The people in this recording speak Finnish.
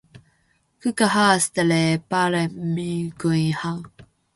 Kuka haastelee paremmin kuin hän?